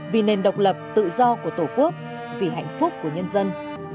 vì nền độc lập tự do của tổ quốc vì hạnh phúc của nhân dân